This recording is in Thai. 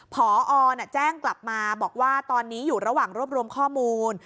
พอแจ้งกลับมาบอกว่าตอนนี้อยู่ระหว่างรวบรวมข้อมูล